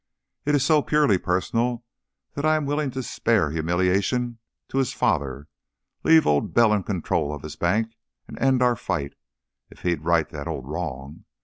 It is so purely personal that I was willing to spare humiliation to his father leave Old Bell in control of his bank and end our fight if he'd right that old wrong.